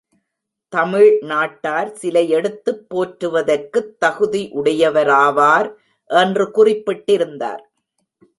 தமிழ் நாட்டார் சிலை எடுத்துப் போற்றுவதற்குத் தகுதியுடையவராவார் என்று குறிப்பிட்டிருந்தார்.